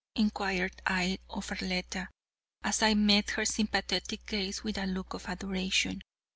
inquired I of Arletta, as I met her sympathetic gaze with a look of adoration.